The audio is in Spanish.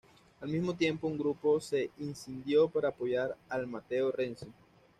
Al mismo tiempo, un grupo se escindió para apoyar al Matteo Renzi.